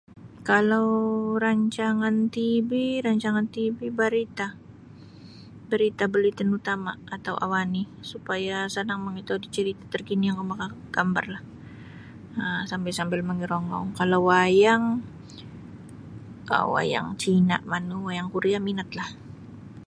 Kalau rancangan TV rancangan TV barita barita buletin utama atau awani supaya sanang [unintelligible] terkini yang makagambarlah kalau wayang wayang cina manu wayang korea minatlah.